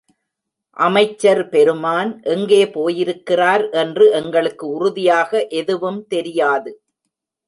அமைச்சர் பெருமான் எங்கே போயிருக்கிறார் என்று எங்களுக்கு உறுதியாக எதுவும் தெரியாது.